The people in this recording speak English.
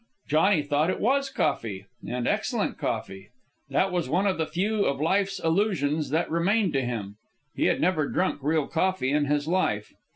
Johnny thought it was coffee and excellent coffee. That was one of the few of life's illusions that remained to him. He had never drunk real coffee in his life.